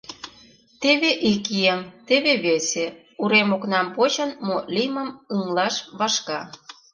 Теве ик еҥ, теве весе, урем окнам почын, мо лиймым ыҥлаш вашка.